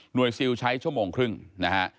ซิลใช้ชั่วโมงครึ่งนะฮะ